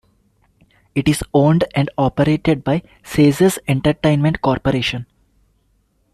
It is owned and operated by Caesars Entertainment Corporation.